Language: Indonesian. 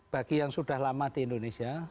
bagi yang sudah lama di indonesia